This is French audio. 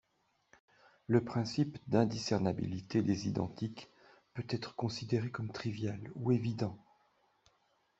Le principe d'indiscernabilité des identiques peut être considéré comme trivial ou évident.